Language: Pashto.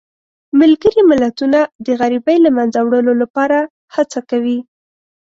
ملګري ملتونه د غریبۍ د له منځه وړلو لپاره هڅه کوي.